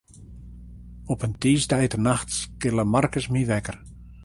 Op in tiisdeitenacht skille Markus my wekker.